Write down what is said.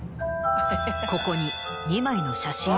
ここに２枚の写真がある。